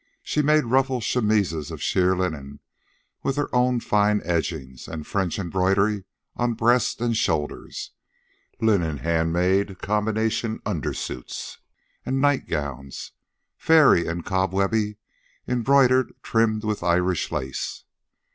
She made ruffled chemises of sheer linen, with her own fine edgings and French embroidery on breast and shoulders; linen hand made combination undersuits; and nightgowns, fairy and cobwebby, embroidered, trimmed with Irish lace.